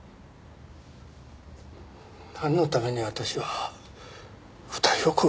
なんのために私は２人を殺したんだ。